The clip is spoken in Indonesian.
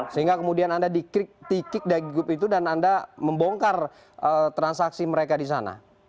sehingga kemudian anda di kick dari grup itu dan anda membongkar transaksi mereka di sana